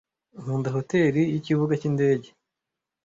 Nkunda hoteri yikibuga cyindege.